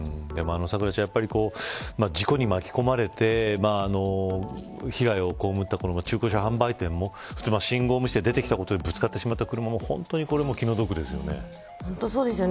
咲楽ちゃん事故に巻き込まれて被害をこうむった中古車販売店も信号無視して出てきたことでぶつかってしまった車も気の毒ですよね。